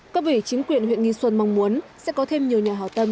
các vị chính quyền huyện nghi xuân mong muốn sẽ có thêm nhiều nhà hào tâm